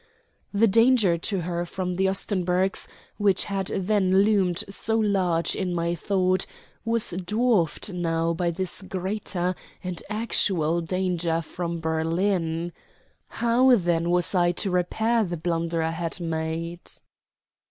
The danger to her from the Ostenburgs, which had then loomed so large in my thought, was dwarfed now by this greater and actual danger from Berlin. How, then, was I to repair the blunder I had made?